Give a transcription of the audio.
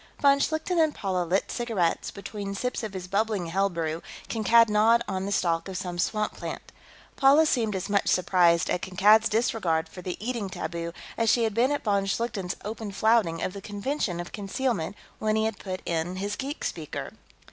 Von Schlichten and Paula lit cigarettes; between sips of his bubbling hell brew, Kankad gnawed on the stalk of some swamp plant. Paula seemed as much surprised at Kankad's disregard for the eating taboo as she had been at von Schlichten's open flouting of the convention of concealment when he had put in his geek speaker.